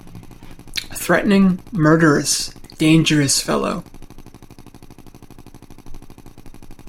A threatening, murderous, dangerous fellow.